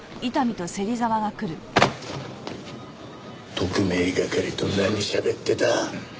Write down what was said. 特命係と何しゃべってた？